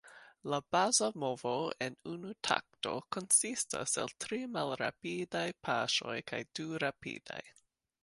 La baza movo en unu takto konsistas el tri malrapidaj paŝoj kaj du rapidaj.